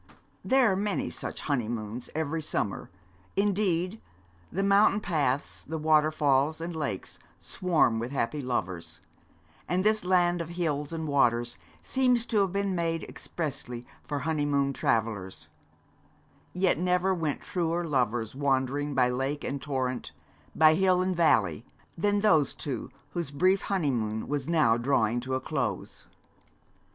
There are many such honeymoons every summer; indeed, the mountain paths, the waterfalls and lakes swarm with happy lovers; and this land of hills and waters seems to have been made expressly for honeymoon travellers; yet never went truer lovers wandering by lake and torrent, by hill and valley, than those two whose brief honeymoon was now drawing to a close.